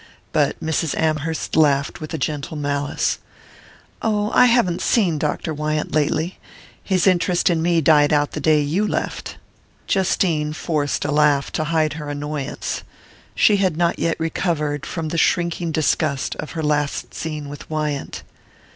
But Mrs. Amherst laughed with gentle malice. "Oh, I haven't seen Dr. Wyant lately. His interest in me died out the day you left." Justine forced a laugh to hide her annoyance. She had not yet recovered from the shrinking disgust of her last scene with Wyant.